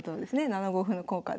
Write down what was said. ７五歩の効果で。